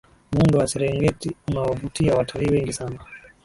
muundo wa serengeti unawavutia watalii wengi sana